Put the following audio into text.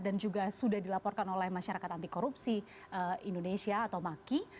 dan juga sudah dilaporkan oleh masyarakat anti korupsi indonesia atau maki